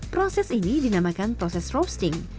proses ini dinamakan proses roasting